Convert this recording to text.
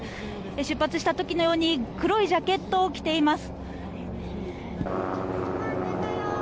出発した時のように黒いジャケットを着ています。